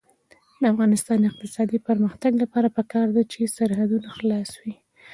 د افغانستان د اقتصادي پرمختګ لپاره پکار ده چې سرحدونه خلاص وي.